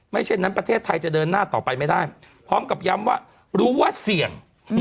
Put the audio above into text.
เช่นนั้นประเทศไทยจะเดินหน้าต่อไปไม่ได้พร้อมกับย้ำว่ารู้ว่าเสี่ยง